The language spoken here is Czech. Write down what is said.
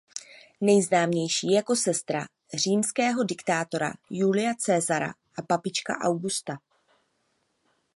Nejznámější je jako sestra římského diktátora Julia Caesara a babička Augusta.